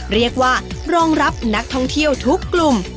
เรียกว่ารองรับนักท่องเที่ยวทุกกลุ่ม